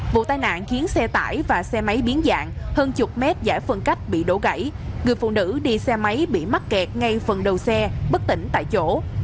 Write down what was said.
vụ tai nạn khiến xe tải và xe máy biến dạng hơn chục mét giải phân cách bị đổ gãy người phụ nữ đi xe máy bị mắc kẹt ngay phần đầu xe bất tỉnh tại chỗ